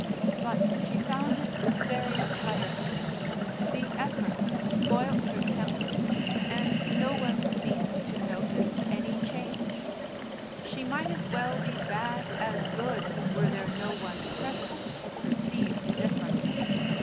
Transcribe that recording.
But she found it very tiresome. The effort spoilt her temper, and no one seemed to notice any change. She might as well be bad as good were there no one present to perceive the difference.